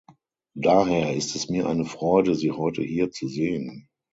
Daher ist es mir eine Freude, Sie heute hier zu sehen!